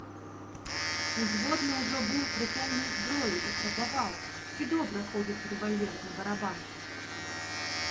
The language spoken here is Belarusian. Узводны ўжо быў пры поўнай зброі і прабаваў, ці добра ходзіць рэвальверны барабан.